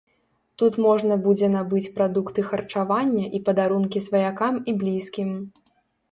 Тут можна будзе набыць прадукты харчавання і падарункі сваякам і блізкім.